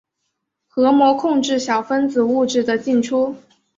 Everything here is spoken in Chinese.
核膜控制小分子物质的进出。